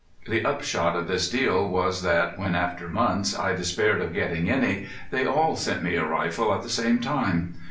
The upshot of this deal was that, when after months I despaired of getting any, they all sent me a rifle at the same time.